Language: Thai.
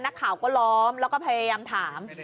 นักข่าวก็ล้อมแล้วก็พยายามถาม